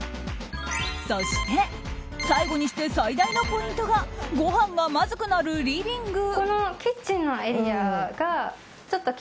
そして、最後にして最大のポイントがごはんがまずくなるリビング。